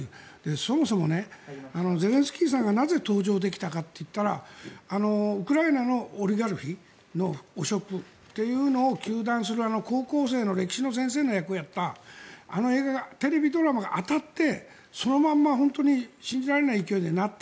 そもそもゼレンスキーさんがなぜ登場できたかといったらウクライナのオリガルヒの汚職というのを糾弾する高校生の歴史の先生の役をやったあの映画、テレビドラマが当たって、そのまま本当に信じられない勢いでなった。